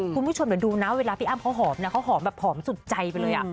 คุณผู้ชมเดี๋ยวดูนะเวลาพี่อ้ำเขาหอมนะเขาหอมแบบผอมสุดใจไปเลย